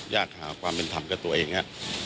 อยากหาความเป็นธรรมกับตัวเองครับ